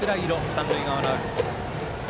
三塁側のアルプス。